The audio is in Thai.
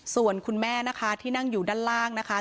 ส่วนคุณแม่นะคะที่นั่งอยู่ด้านล่างนะคะ